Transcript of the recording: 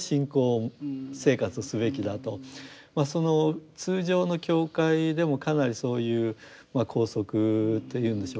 その通常の教会でもかなりそういう拘束っていうんでしょうかね